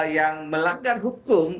yang melanggar hukum